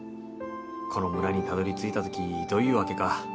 この村にたどりついたときどういうわけか